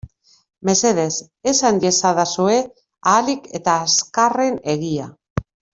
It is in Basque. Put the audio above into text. Mesedez esan iezadazue ahalik eta azkarren egia.